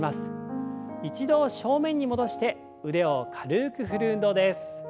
一度正面に戻して腕を軽く振る運動です。